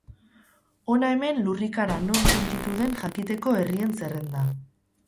Hona hemen lurrikara non sentitu den jakiteko herrien zerrenda.